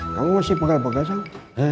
kamu masih pegal pegal